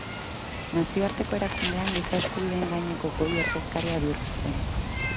Nazioarteko erakundean Giza eskubideen gaineko Goi Ordezkaria bihurtu zen.